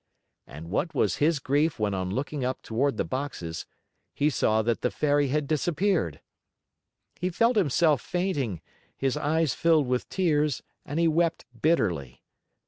And what was his grief when on looking up toward the boxes, he saw that the Fairy had disappeared! He felt himself fainting, his eyes filled with tears, and he wept bitterly.